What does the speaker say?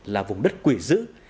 là vùng đất quỷ dữ